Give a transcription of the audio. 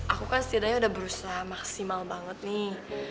aku kan setidaknya udah berusaha maksimal banget nih